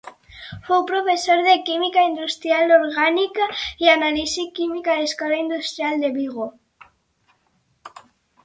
Fou professor de Química Industrial Orgànica i Anàlisi Química a l'Escola Industrial de Vigo.